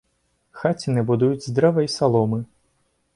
Хаціны будуюць з дрэва і саломы.